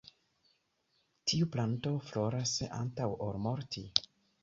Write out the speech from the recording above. Tiu planto floras antaŭ ol morti.